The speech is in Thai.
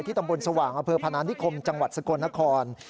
ที่ตำบลสว่างอเผลอพนานที่คมจังหวัดสกลนคร